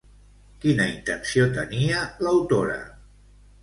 Quina intenció tenia l'autora?